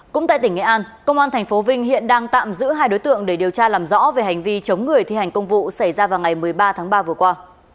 cũng tại tỉnh nghệ an công an tp vinh hiện đang tạm giữ hai đối tượng để điều tra làm rõ về hành vi chống người thi hành công vụ xảy ra vào ngày một mươi ba tháng ba vừa qua